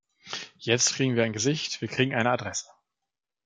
Jetzt kriegen wir ein Gesicht, wir kriegen eine Adresse.